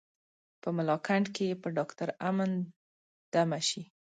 په ملاکنډ یې په ډاکټر امن دمه شي.